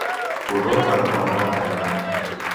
Corró per a aplanar la terra.